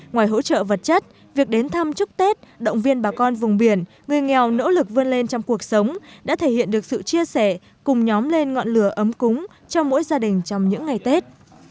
ngoài hỗ trợ vật chất việc đến thăm chúc tết động viên bà con vùng biển người nghèo nỗ lực vươn lên trong cuộc sống đã thể hiện được sự chia sẻ cùng nhóm lên ngọn lửa ấm cúng cho mỗi gia đình trong những ngày tết